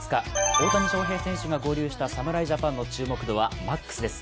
大谷翔平選手が合流した侍ジャパンの注目度はＭＡＸです。